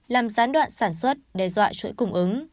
làm gián đoạn sản xuất đe dọa chuỗi cung ứng